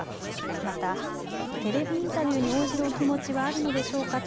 また、テレビインタビューに応じるお気持ちはあるのでしょうかと